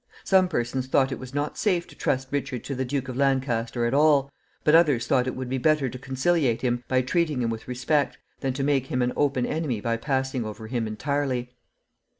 Some persons thought it was not safe to trust Richard to the Duke of Lancaster at all, but others thought it would be better to conciliate him by treating him with respect, than to make him an open enemy by passing over him entirely.